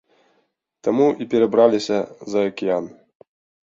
Таму і перабраліся за акіян.